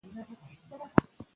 ملایانو خبرې کړې وې.